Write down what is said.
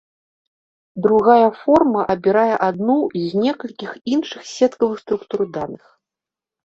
Другая форма абірае адну з некалькіх іншых сеткавых структур даных.